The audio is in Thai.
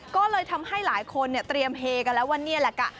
ก็เลยทำให้หลายคนเนี่ยเตรียมเฮกันแล้วว่านี่แหละกะ